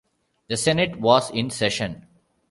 The Senate was in session.